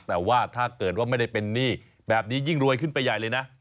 แต่ว่าถ้าเกิดว่าไม่ได้เป็นหนี้แบบนี้ยิ่งรวยขึ้นไปใหญ่เลยนะ